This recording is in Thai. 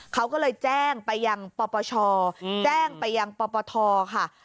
เขาก็เลยแจ้งไปยังปปชแจ้งไปยังปปทค่ะ